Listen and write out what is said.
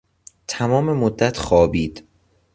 تمام مدت خوابید.